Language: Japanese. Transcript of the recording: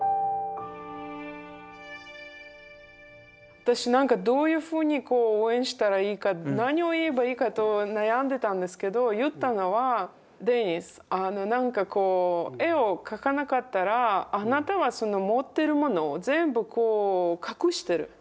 私なんかどういうふうにこう応援したらいいか何を言えばいいかと悩んでたんですけど言ったのはデニスなんかこう絵を描かなかったらあなたはその持ってるものを全部こう隠してる人に見せない。